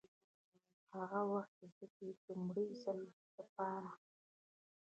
هغه وخت چې زه دې د لومړي ځل دپاره